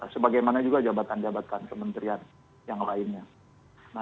sebagaimana juga jabatan jabatan kementerian yang lainnya